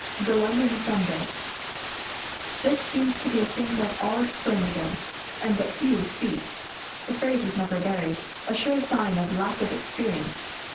] THE LONDON SUNDAY This seems to be a thing that all exclaim against, and but few see. The phrase is never varied a sure sign of lack of experience.